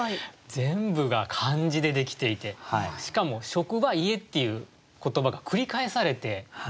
全部が漢字でできていてしかも「職場」「家」っていう言葉が繰り返されていますね。